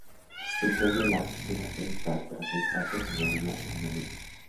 La expulsión de la placenta tras el parto se denomina alumbramiento.